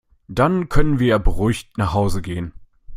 Dann können wir ja beruhigt nach Hause gehen.